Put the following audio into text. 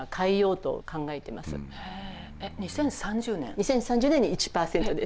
２０３０年に１％です。